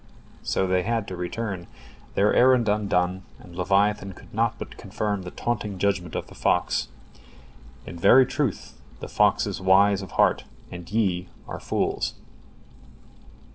So they had to return, their errand undone, and leviathan could not but confirm the taunting judgment of the fox: "In very truth, the fox is wise of heart, and ye are fools."